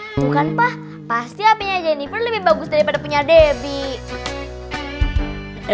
bukan pak pasti hp nya jennifer lebih bagus daripada punya debbie